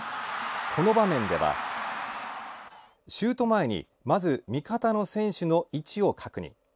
この場面では、シュート前にまず味方の選手の位置を確認。